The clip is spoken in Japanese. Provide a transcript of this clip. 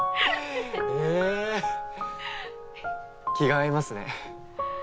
え気が合いますね。